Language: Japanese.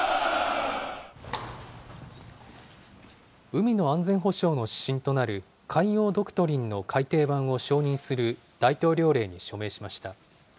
海の安全保障の指針となる、海洋ドクトリンの改訂版を承認する大統領令に署名しました。